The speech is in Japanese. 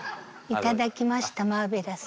頂きましたマーベラス。